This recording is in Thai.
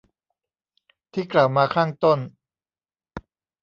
ที่กล่าวมาข้างต้น